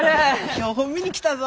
標本見に来たぞ。